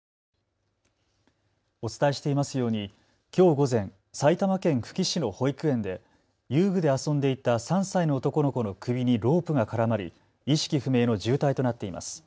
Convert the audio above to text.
お伝えしていますようにきょう午前、埼玉県久喜市の保育園で遊具で遊んでいた３歳の男の子の首にロープが絡まり意識不明の重体となっています。